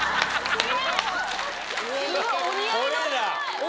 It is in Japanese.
すごい。